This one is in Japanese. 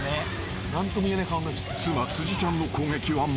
［妻辻ちゃんの攻撃はまだ続く］